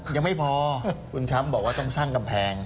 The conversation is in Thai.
ยังไม่พอคุณช้ำบอกว่าต้องสร้างกำแพง